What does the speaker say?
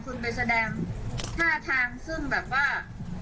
คุณไปแสดงท่าทางซึ่งแบบว่า